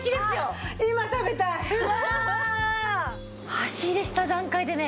箸入れした段階でね